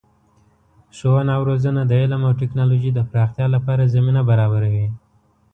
ښوونه او روزنه د علم او تکنالوژۍ د پراختیا لپاره زمینه برابروي.